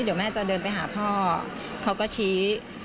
เดี๋ยวแม่จะเดินไปหาพ่อเขาก็ชี้